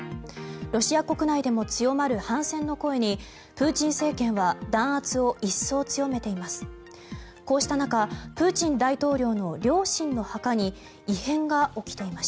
ロシア国内でも強まる反戦の声にプーチン政権は弾圧を一層強めています。